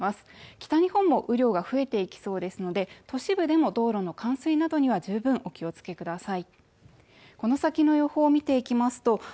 北日本も雨量が増えていきそうですので、都市部でも道路の冠水などには十分お気をつけください。